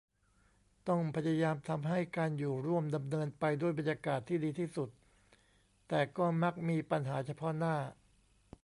ต้องพยายามทำให้การอยู่ร่วมดำเนินไปด้วยบรรยากาศที่ดีที่สุด แต่ก็มักมีปัญหาเฉพาะหน้า